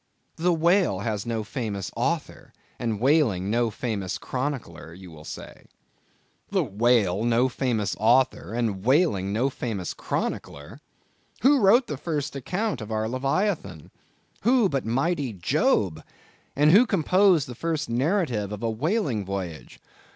The whale has no famous author, and whaling no famous chronicler, you will say. The whale no famous author, and whaling no famous chronicler? Who wrote the first account of our Leviathan? Who but mighty Job! And who composed the first narrative of a whaling voyage?